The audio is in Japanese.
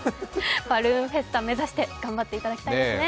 バルーンフェスタ目指して頑張っていただきたいですね。